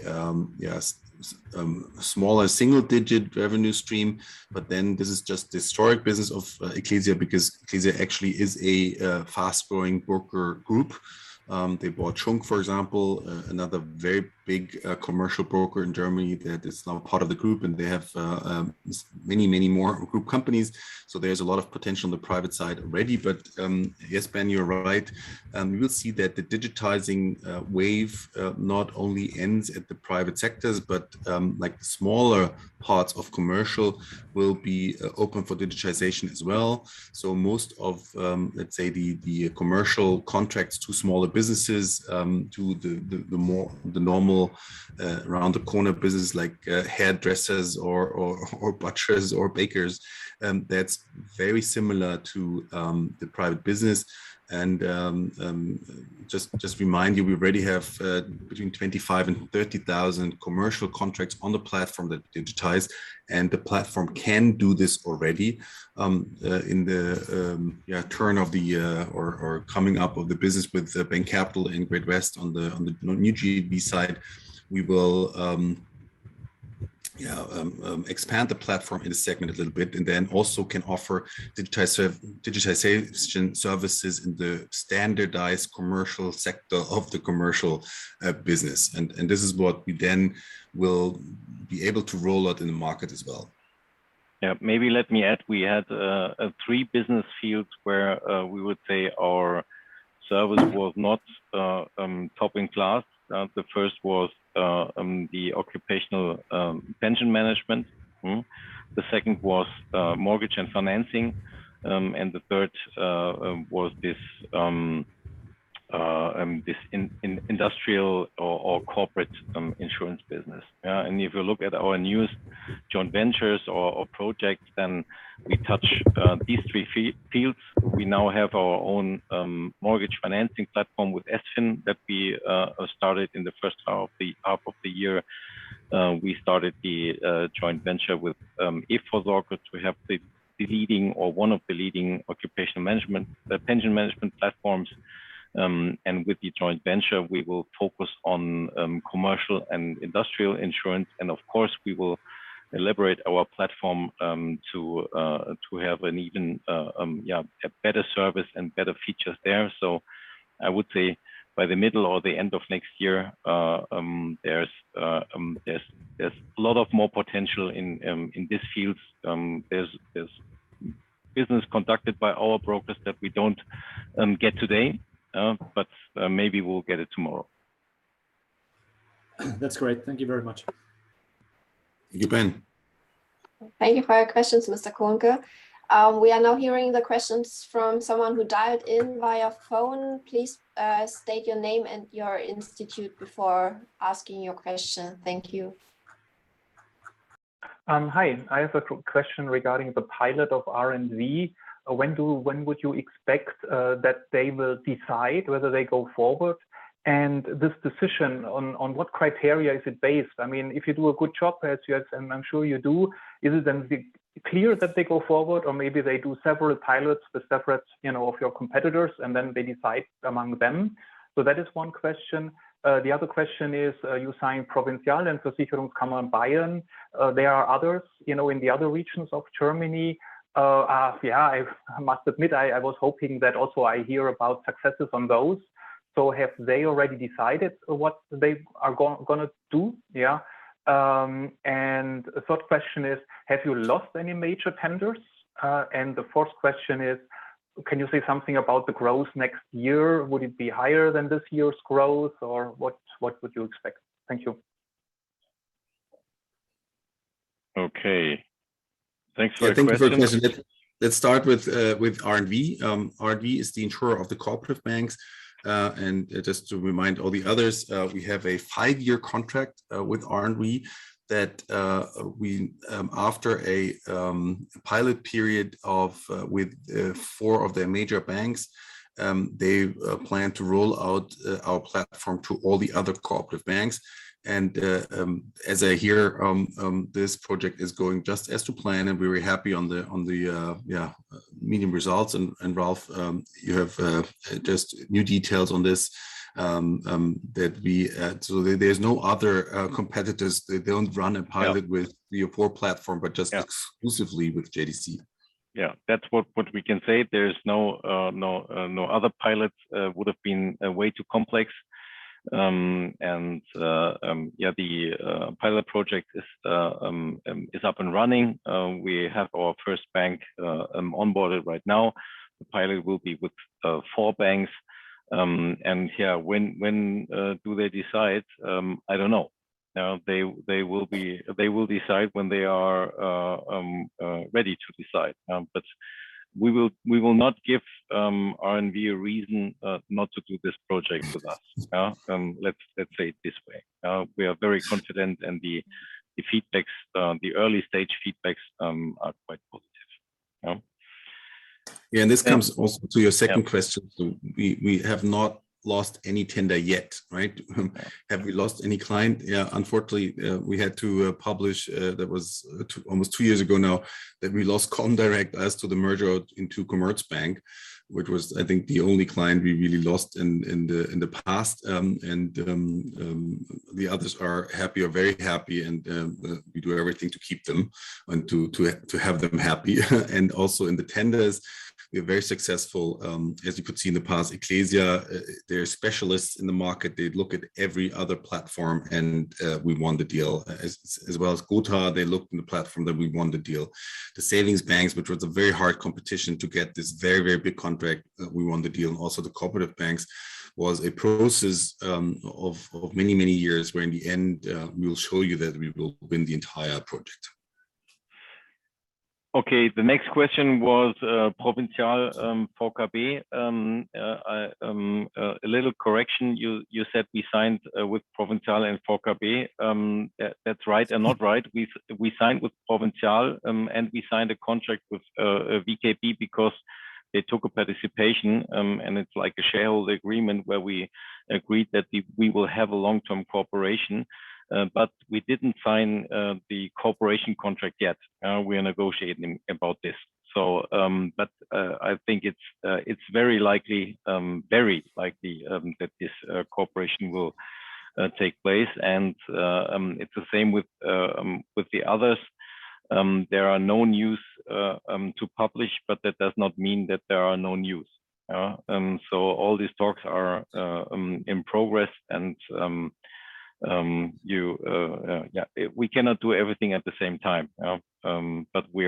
smaller single-digit revenue stream. Then this is just historic business of Ecclesia because Ecclesia actually is a fast-growing broker group. They bought Schunck, for example, another very big commercial broker in Germany that is now part of the group, and they have many, many more group companies. So there's a lot of potential on the private side already. Yes, Ben, you're right. We will see that the digitizing wave not only ends at the private sectors, but like the smaller parts of commercial will be open for digitization as well. Most of, let's say the more normal around the corner business like hairdressers or butchers or bakers, that's very similar to the private business. Just remind you, we already have between 25,000 and 30,000 commercial contracts on the platform that digitize, and the platform can do this already. In the turn of the year or coming up of the business with Bain Capital and Great-West on the new JV side, we will expand the platform in a segment a little bit and then also can offer digitization services in the standardized commercial sector of the commercial business. This is what we then will be able to roll out in the market as well. Yeah. Maybe let me add, we had three business fields where we would say our service was not top in class. The first was the occupational pension management. The second was mortgage and financing. The third was this industrial or corporate insurance business. Yeah. If you look at our newest joint ventures or projects, then we touch these three fields. We now have our own mortgage financing platform with S-Fin that we started in the first half of the year. We started the joint venture with eVorsorge. We have the leading or one of the leading occupational pension management platforms. With the joint venture, we will focus on commercial and industrial insurance. Of course, we will elaborate our platform to have an even better service and better features there. I would say by the middle or the end of next year, there's a lot more potential in these fields. There's business conducted by our brokers that we don't get today, but maybe we'll get it tomorrow. That's great. Thank you very much. Thank you, Ben. Thank you for your questions, Mr. Kohnke. We are now hearing the questions from someone who dialed in via phone. Please, state your name and your institute before asking your question. Thank you. Hi. I have a question regarding the pilot of R+V. When would you expect that they will decide whether they go forward? This decision, on what criteria is it based? I mean, if you do a good job as you have, and I'm sure you do, is it then clear that they go forward, or maybe they do several pilots with separate, you know, of your competitors, and then they decide among them? That is one question. The other question is, you signed Provinzial and Versicherungskammer Bayern. There are others, you know, in the other regions of Germany. Yeah, I must admit, I was hoping that also I hear about successes on those. Have they already decided what they are gonna do? Yeah. A third question is, have you lost any major tenders? The fourth question is, can you say something about the growth next year? Would it be higher than this year's growth, or what would you expect? Thank you. Okay. Thanks for your questions. Thank you for the question. Let's start with R+V. R+V is the insurer of the cooperative banks. Just to remind all the others, we have a five-year contract with R+V that, after a pilot period with four of their major banks, they plan to roll out our platform to all the other cooperative banks. As I hear, this project is going just as planned, and we're happy with the results. Ralph, you have just new details on this that we. There's no other competitors. They don't run a pilot- Yeah with your core platform, but just Yeah exclusively with JDC. Yeah. That's what we can say. There is no other pilots. Would've been way too complex. Yeah, the pilot project is up and running. We have our first bank onboarded right now. The pilot will be with four banks, and yeah, when do they decide? I don't know. They will decide when they are ready to decide. We will not give R+V a reason not to do this project with us. Yeah. Let's say it this way. We are very confident, and the feedbacks, the early stage feedbacks, are quite positive. Yeah, this comes also to your second question. We have not lost any tender yet, right? Have we lost any client? Yeah, unfortunately, we had to publish that was almost two years ago now, that we lost comdirect as to the merger into Commerzbank, which was I think the only client we really lost in the past. The others are happy or very happy and we do everything to keep them and to have them happy. Also in the tenders, we're very successful. As you could see in the past, Ecclesia, they're specialists in the market. They'd look at every other platform, and we won the deal. As well as Gothaer, they looked in the platform, then we won the deal. The savings banks, which was a very hard competition to get this very, very big contract, we won the deal, and also the cooperative banks was a process, of many, many years, where in the end, we will show you that we will win the entire project. Okay. The next question was, Provinzial, VKB. A little correction. You said we signed with Provinzial and VKB. That's right and not right. We signed with Provinzial, and we signed a contract with VKB because they took a participation, and it's like a shareholder agreement where we agreed that we will have a long-term cooperation. But we didn't sign the cooperation contract yet. We are negotiating about this. I think it's very likely that this cooperation will take place. It's the same with the others. There are no news to publish, but that does not mean that there are no news. All these talks are in progress and you yeah we cannot do everything at the same time, but we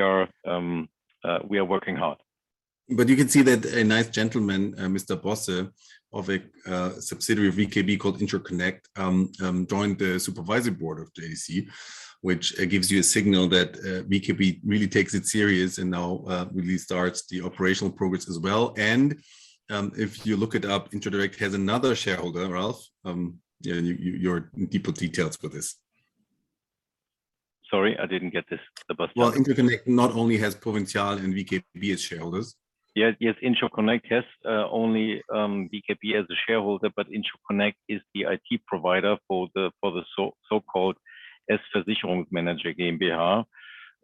are working hard. You can see that a nice gentleman, Mr. Bosse of a subsidiary VKB called Interconnect, joined the supervisory board of JDC, which gives you a signal that VKB really takes it serious and now really starts the operational progress as well. If you look it up, Interdirect has another shareholder, Ralph. Deeper details for this. Sorry, I didn't get this. Well, Interconnect not only has Provinzial and VKB as shareholders. Yeah. Yes, Interconnect has only VKB as a shareholder, but Interconnect is the IT provider for the so-called S-Versicherungsmanager GmbH.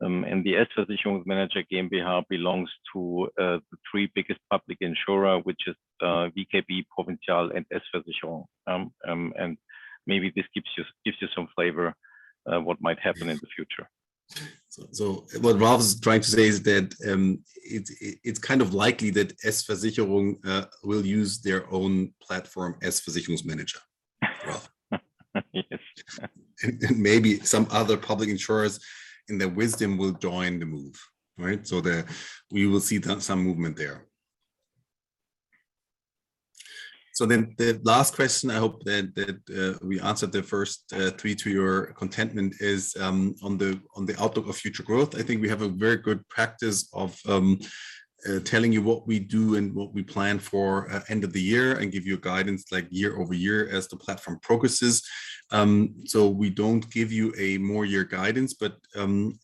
The S-Versicherungsmanager GmbH belongs to the three biggest public insurers, which is VKB, Provinzial and S-Versicherung. Maybe this gives you some flavor what might happen in the future. What Ralph is trying to say is that it's kind of likely that S-Versicherung will use their own platform, S-Versicherungsmanager. Ralph? Yes. Maybe some other public insurers, in their wisdom, will join the move, right? We will see some movement there. The last question, I hope that we answered the first three to your contentment, is on the outlook of future growth. I think we have a very good practice of telling you what we do and what we plan for at end of the year and give you a guidance like year-over-year as the platform progresses. We don't give you a multi-year guidance, but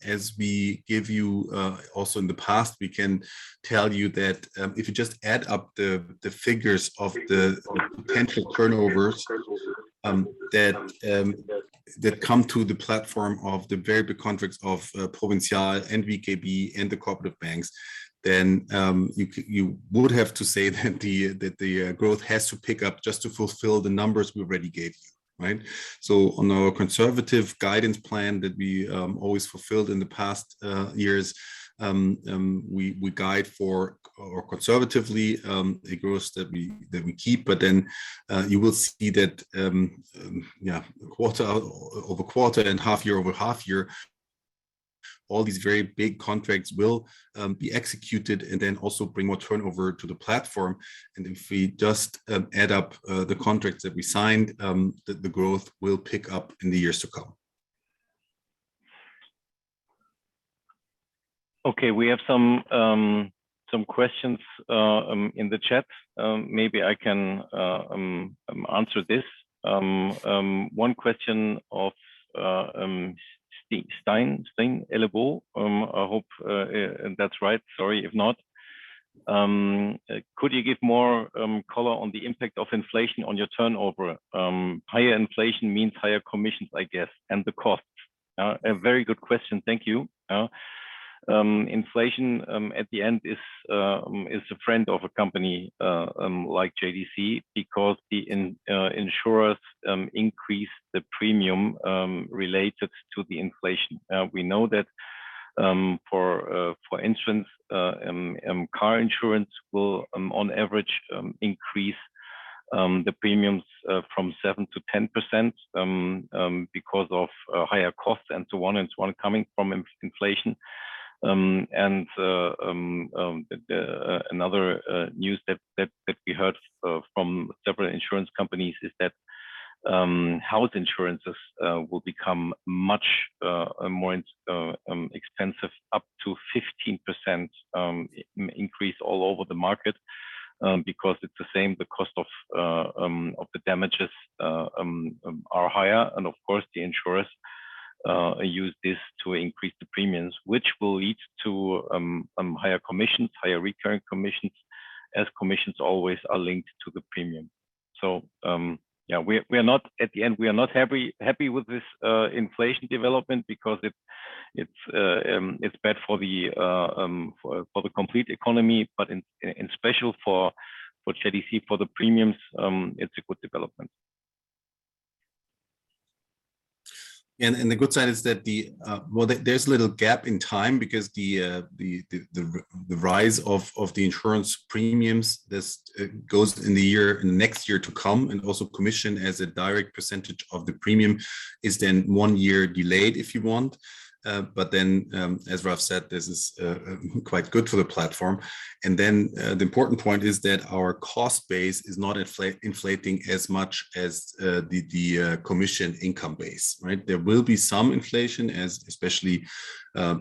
as we give you also in the past, we can tell you that if you just add up the figures of the potential turnovers that come to the platform of the very big contracts of Provinzial and VKB and the cooperative banks, then you would have to say that the growth has to pick up just to fulfill the numbers we already gave you, right? On our conservative guidance plan that we always fulfilled in the past years, we guide conservatively a growth that we keep, but then you will see that, yeah, quarter-over-quarter and half-year-over-half-year. All these very big contracts will be executed and then also bring more turnover to the platform. If we just add up the contracts that we signed, the growth will pick up in the years to come. Okay. We have some questions in the chat. Maybe I can answer this. One question of Stijn Allebaut, I hope, and that's right. Sorry if not. Could you give more color on the impact of inflation on your turnover? Higher inflation means higher commissions, I guess, and the costs. A very good question. Thank you. Inflation at the end is a friend of a company like JDC because the insurers increase the premium related to the inflation. We know that, for instance, car insurance will, on average, increase the premiums from 7%-10%, because of higher costs and so on and so on coming from inflation. Another news that we heard from several insurance companies is that house insurances will become much more expensive, up to 15% increase all over the market, because it's the same. The cost of the damages are higher and of course the insurers use this to increase the premiums, which will lead to higher commissions, higher recurring commissions, as commissions always are linked to the premium. Yeah, we are not... At the end, we are not happy with this inflation development because it's bad for the complete economy, but especially for JDC, for the premiums, it's a good development. The good side is that there's a little gap in time because the rise of the insurance premiums this goes in the year, in next year to come. Also commission as a direct percentage of the premium is then one year delayed if you want. As Ralph said, this is quite good for the platform. The important point is that our cost base is not inflating as much as the commission income base, right? There will be some inflation as especially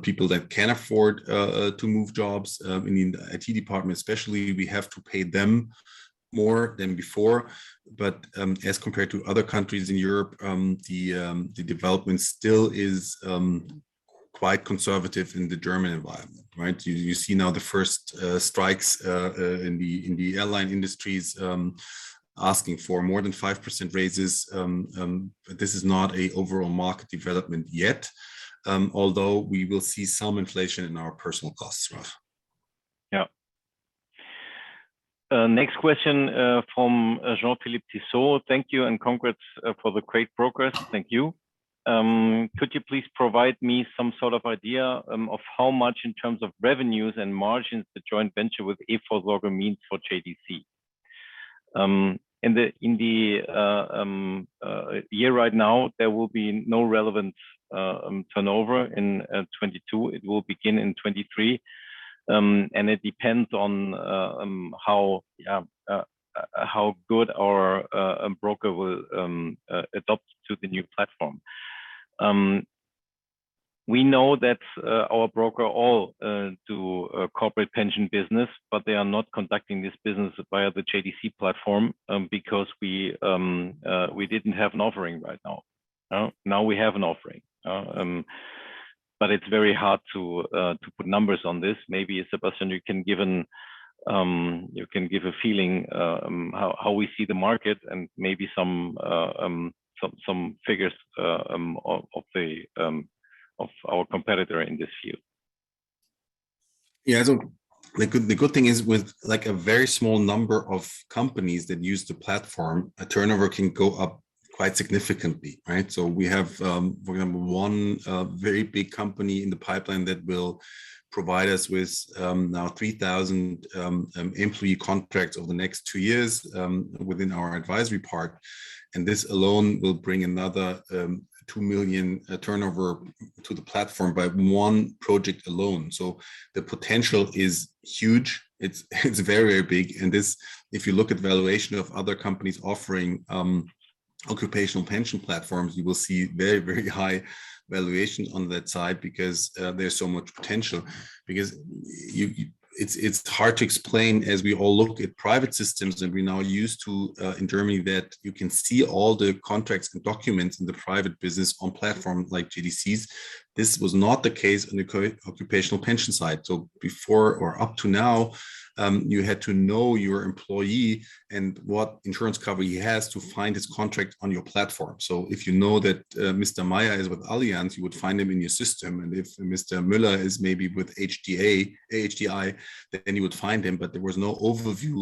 people that can afford to move jobs in the IT department especially, we have to pay them more than before. As compared to other countries in Europe, the development still is quite conservative in the German environment, right? You see now the first strikes in the airline industries asking for more than 5% raises. This is not an overall market development yet, although we will see some inflation in our personnel costs, Ralph. Next question from Jean-Philippe Tissot. Thank you, and congrats for the great progress. Thank you. Could you please provide me some sort of idea of how much in terms of revenues and margins the joint venture with eVorsorge means for JDC? In the year right now, there will be no relevant turnover in 2022. It will begin in 2023. It depends on how good our broker will adapt to the new platform. We know that our broker all do corporate pension business, but they are not conducting this business via the JDC platform because we didn't have an offering right now. Now we have an offering. It's very hard to put numbers on this. Maybe Sebastian you can give a feeling how we see the market and maybe some figures of our competitor in this field. Yeah. The good thing is with like a very small number of companies that use the platform, a turnover can go up quite significantly, right? We have one very big company in the pipeline that will provide us with now 3,000 employee contracts over the next two years within our advisory part, and this alone will bring another 2 million turnover to the platform by one project alone. The potential is huge. It's very big. This, if you look at valuation of other companies offering occupational pension platforms, you will see very high valuation on that side because there's so much potential. Because you It's hard to explain, as we all look at private systems that we're now used to in Germany, that you can see all the contracts and documents in the private business on a platform like JDC's. This was not the case in the corporate occupational pension side. Before or up to now, you had to know your employee and what insurance cover he has to find his contract on your platform. If you know that Mr. Meyer is with Allianz, you would find him in your system. If Mr. Müller is maybe with HDI, then you would find him, but there was no overview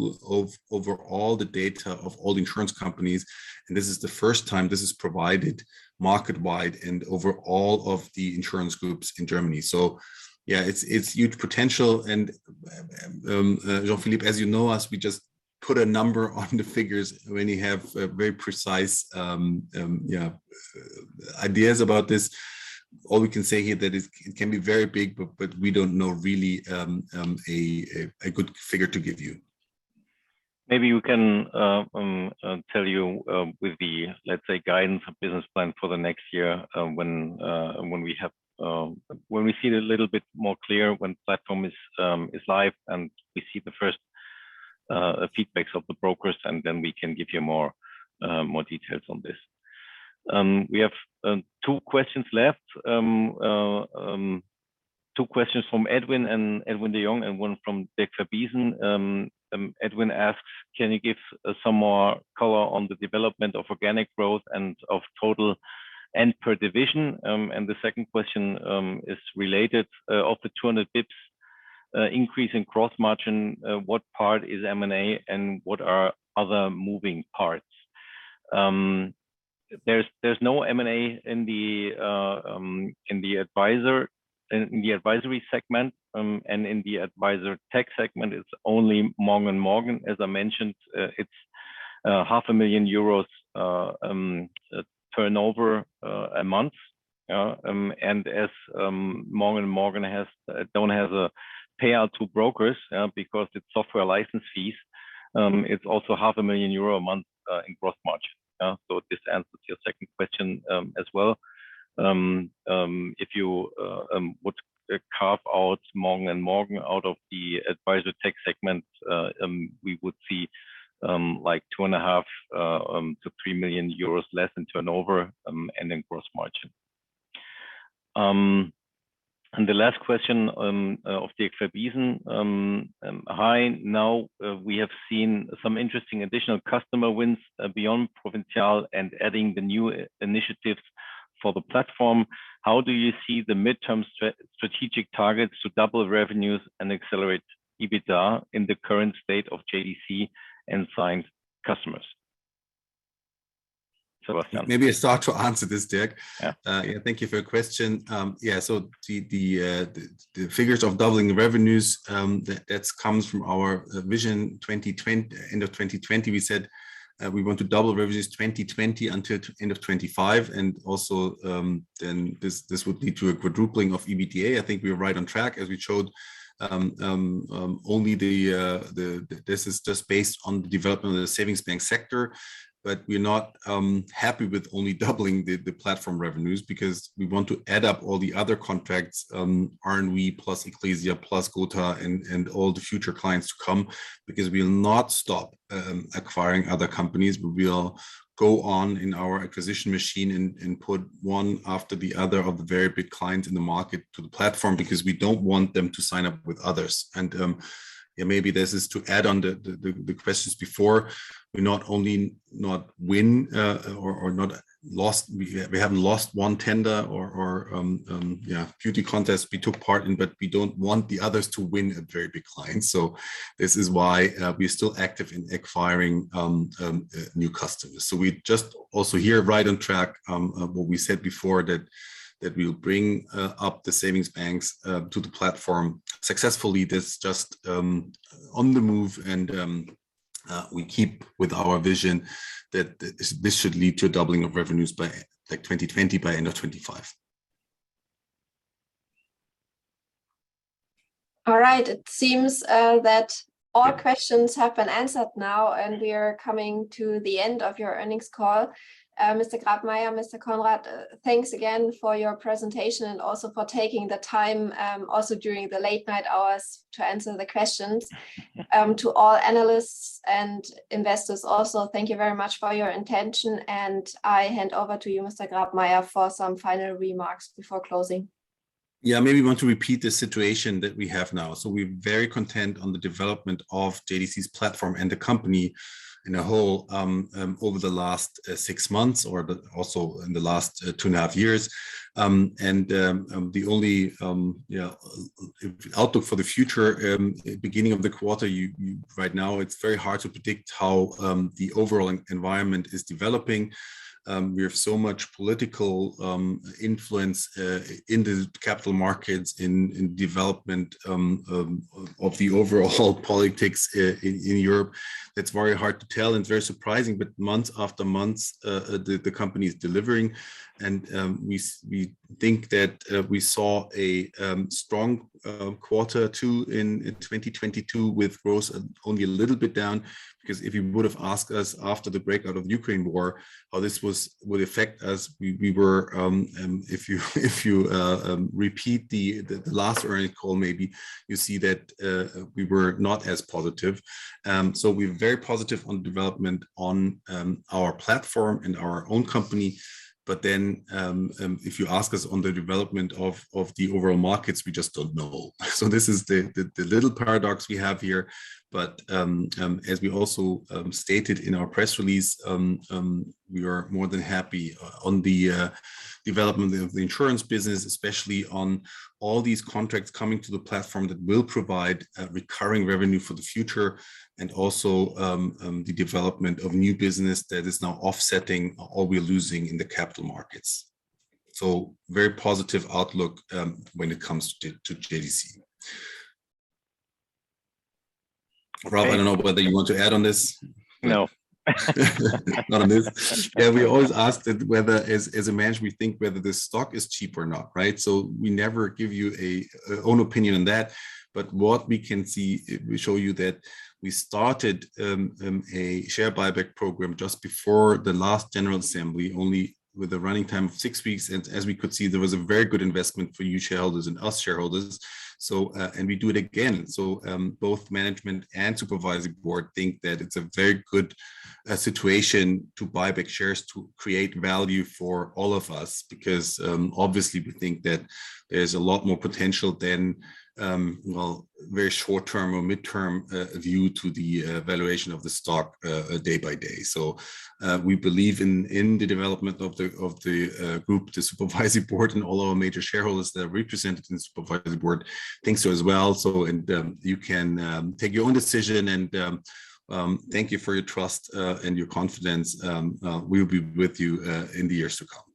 over all the data of all insurance companies. This is the first time this is provided market-wide and over all of the insurance groups in Germany. Yeah, it's huge potential and, Jean-Philippe, as you know, we just put a number on the figures when we have very precise ideas about this. All we can say here is that it can be very big, but we don't know really a good figure to give you. Maybe we can tell you with the, let's say, guidance of business plan for the next year, when we have. When we see it a little bit more clear, when platform is live, and we see the first feedback of the brokers, and then we can give you more details on this. We have two questions left. Two questions from Edwin De Jong, and one from Dirk Verbiesen. Edwin asks, "Can you give some more color on the development of organic growth and of total and per division?" The second question is related, "Of the 200 basis points increase in gross margin, what part is M&A, and what are other moving parts?" There's no M&A in the advisory segment. In the Advisortech segment it's only Morgen & Morgen. As I mentioned, it's 500,000 euros turnover a month. As Morgen & Morgen doesn't have a payout to brokers, because it's software license fees, it's also 500,000 euro a month in gross margin. This answers your second question as well. If you would carve out Morgen & Morgen out of the Advisortech segment, we would see, like 2.5 million-3 million euros less in turnover, and in gross margin. The last question of Dirk Verbiesen, "Hi, now, we have seen some interesting additional customer wins, beyond Provinzial and adding the new initiatives for the platform. How do you see the midterm strategic targets to double revenues and accelerate EBITDA in the current state of JDC and signed customers?" Sebastian. Maybe I start to answer this, Dirk. Yeah. Yeah, thank you for your question. The figures of doubling the revenues, that's from our Vision 2020 - end of 2020. We said, we want to double revenues 2020 until end of 2025. This would lead to a quadrupling of EBITDA. I think we're right on track as we showed, this is just based on the development of the savings bank sector. We're not happy with only doubling the platform revenues, because we want to add up all the other contracts, R+V, plus Ecclesia, plus Gothaer, and all the future clients to come. Because we'll not stop acquiring other companies, but we'll go on in our acquisition machine and put one after the other of the very big clients in the market to the platform, because we don't want them to sign up with others. Maybe this is to add on the questions before. We haven't lost one tender or beauty contest we took part in, but we don't want the others to win a very big client. This is why we're still active in acquiring new customers. We just also here right on track what we said before, that we'll bring up the savings banks to the platform successfully. This just on the move, and we keep with our vision that this should lead to a doubling of revenues by like 2020, by end of 2025. All right. It seems that all questions have been answered now, and we are coming to the end of your earnings call. Mr. Grabmaier, Mr. Konrad, thanks again for your presentation, and also for taking the time, also during the late night hours, to answer the questions. To all analysts and investors also, thank you very much for your attention, and I hand over to you, Mr. Grabmaier, for some final remarks before closing. Yeah. Maybe we want to repeat the situation that we have now. We're very content with the development of JDC's platform and the company as a whole over the last six months or also in the last two and a half years. The only outlook for the future beginning of the quarter. Right now it's very hard to predict how the overall environment is developing. We have so much political influence in the capital markets and in development of the overall politics in Europe. It's very hard to tell, and it's very surprising. Month after month, the company is delivering. We think that we saw a strong quarter two in 2022 with growth only a little bit down. Because if you would've asked us after the breakout of Ukraine war how this would affect us, we were not as positive. If you repeat the last earnings call maybe, you see that we were not as positive. We're very positive on development on our platform and our own company. If you ask us on the development of the overall markets, we just don't know. This is the little paradox we have here. as we also stated in our press release, we are more than happy on the development of the insurance business, especially on all these contracts coming to the platform that will provide recurring revenue for the future, and also the development of new business that is now offsetting all we're losing in the capital markets. Very positive outlook when it comes to JDC. Ralph, I don't know whether you want to add on this? No. Not on this? Yeah. We always ask that whether as a management we think whether the stock is cheap or not, right? We never give you an own opinion on that. What we can see, we show you that we started a share buyback program just before the last general assembly, only with a running time of six weeks. As we could see, there was a very good investment for you shareholders and us shareholders. We do it again. Both management and supervisory board think that it's a very good situation to buy back shares, to create value for all of us. Because obviously we think that there's a lot more potential than well very short-term or mid-term view to the valuation of the stock day by day. We believe in the development of the group. The supervisory board and all our major shareholders that are represented in the supervisory board think so as well. You can take your own decision. Thank you for your trust and your confidence. We'll be with you in the years to come.